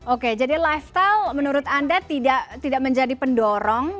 oke jadi lifestyle menurut anda tidak menjadi pendorong